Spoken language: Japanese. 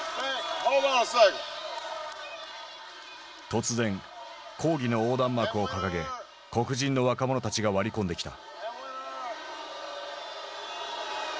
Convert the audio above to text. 突然抗議の横断幕を掲げ黒人の若者たちが割り込んできた。